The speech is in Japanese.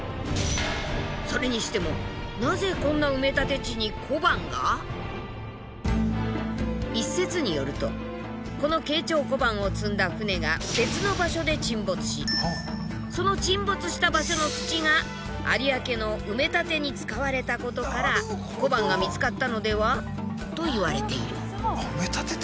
それにしても一説によるとこの慶長小判を積んだ船が別の場所で沈没しその沈没した場所の土が有明の埋め立てに使われたことから小判が見つかったのでは？といわれている。